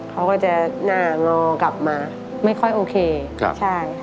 เขาก็จะหน้างอกลับมาไม่ค่อยโอเคครับใช่